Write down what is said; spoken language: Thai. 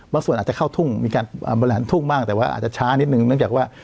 ส่วนอาจจะเข้าทุ่งมีการบริหารทุ่งบ้างแต่ว่าอาจจะช้านิดนึงเนื่องจากว่า